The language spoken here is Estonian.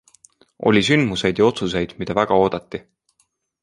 Oli sündmuseid ja otsuseid, mida väga oodati.